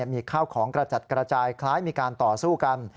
มีข้าวของกระจัดกระจายคล้ายมีการต่อสู้กัน